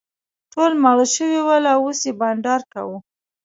ټول ماړه شوي ول او اوس یې بانډار کاوه.